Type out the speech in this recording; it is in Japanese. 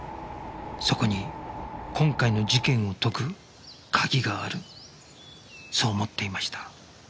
そこに今回の事件を解く鍵があるそう思っていました